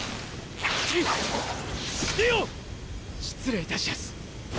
失礼いたしやす！！